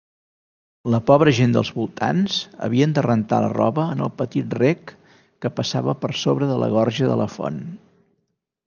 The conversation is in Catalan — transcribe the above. La pobra gent dels voltants havien de rentar la roba en el petit rec que passava per sobre la gorga de la font.